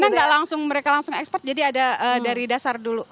karena gak langsung mereka langsung ekspert jadi ada dari dasar dulu